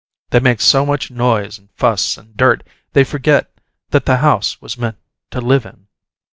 They make so much noise and fuss and dirt they forget that the house was meant to live in.